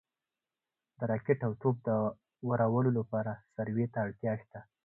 د راکټ او توپ د وارولو لپاره سروې ته اړتیا شته